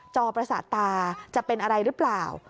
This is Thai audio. อประสาทตาจะเป็นอะไรหรือเปล่า